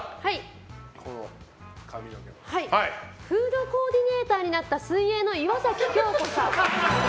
フードコーディネーターになった水泳の岩崎恭子さん。